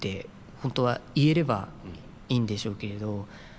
本当は言えればいいんでしょうけれど。